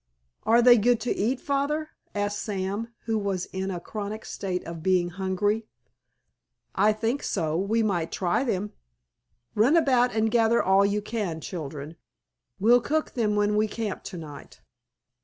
"Are they good to eat, Father?" asked Sam, who was in a chronic state of being hungry. "I think so; we might try them. Run about and gather all you can, children; we'll cook them when we camp to night."